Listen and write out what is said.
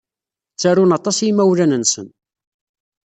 Ttarun aṭas i yimawlan-nsen.